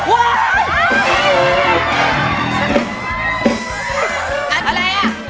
อะไรอ่ะ